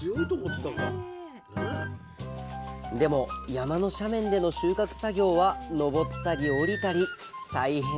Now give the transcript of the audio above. でも山の斜面での収穫作業は登ったり降りたり大変です